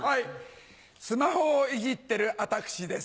スマホをいじってる私です。